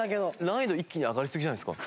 難易度一気に上がりすぎじゃないですか？